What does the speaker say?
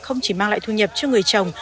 không chỉ mang lại thu nhập cho người trồng